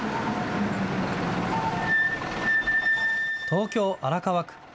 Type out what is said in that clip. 東京・荒川区。